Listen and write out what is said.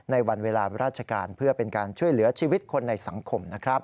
ในวันเวลาราชการเพื่อเป็นการช่วยเหลือชีวิตคนในสังคมนะครับ